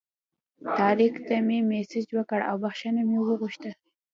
طارق ته مې مسیج وکړ او بخښنه مې وغوښته.